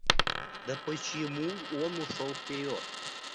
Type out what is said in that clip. Да почему он ушел вперед?